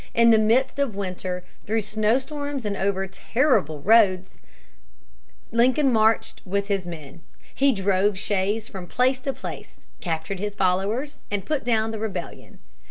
In the midst of winter, through snowstorms and over terrible roads, Lincoln marched with his men. He drove Shays from place to place, captured his followers, and put down the rebellion.